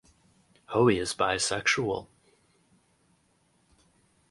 Hoey is bisexual.